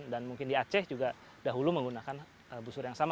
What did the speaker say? dan mungkin di aceh juga dahulu menggunakan busur yang sama